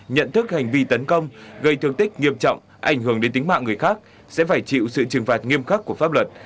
nhận thức hành vi tấn công gây thương tích nghiêm trọng ảnh hưởng đến tính mạng người khác sẽ phải chịu sự trừng phạt nghiêm khắc của pháp luật